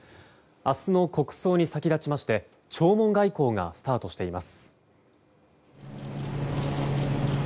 明日の国葬に先立ちまして弔問外交がスタートしています。